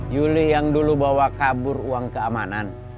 yuli yang dulu bawa kabur uang keamanan